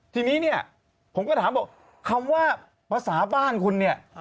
ทีนี้เนี่ยผมก็ถามบอกคำว่าภาษาบ้านคุณเนี่ย